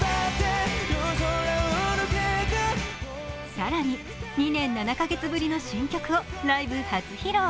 更に２年７カ月ぶりの新曲をライブ初披露。